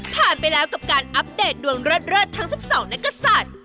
ผ่านไปแล้วกับการอัปเดตดวงเลิศทั้ง๑๒นักศัตริย์